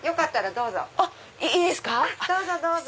どうぞどうぞ。